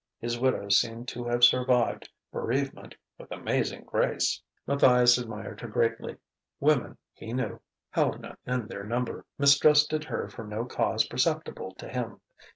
His widow seemed to have survived bereavement with amazing grace. Matthias admired her greatly. Women, he knew Helena in their number mistrusted her for no cause perceptible to him.